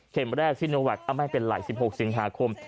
แรกซิโนแวคไม่เป็นไร๑๖สิงหาคม